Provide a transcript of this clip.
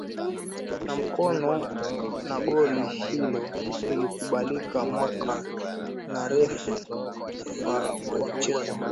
Na mkono na goli hilo lilikubalika mwaka na refa wa mchezo huo